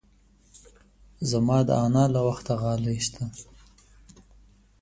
زما د انا له وخته غالۍ شته.